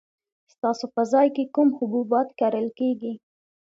ستاسو په ځای کې کوم حبوبات کرل کیږي؟